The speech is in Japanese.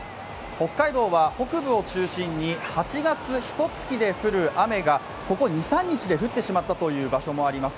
北海道は北部を中心に８月ひとつきで降る雨がここ２３日で降ってしまったという場所もあります。